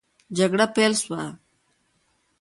جګړه پیل سوه.